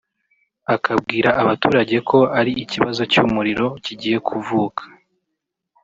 akabwira abaturage ko ari ikibazo cy’umuriro kigiye kuvuka